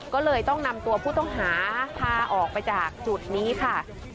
ก็เลยต้องนำตัวผู้ต้องหาพาออกไปจากจุดนี้ค่ะ